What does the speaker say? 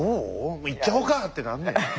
もう行っちゃおうかってなんない？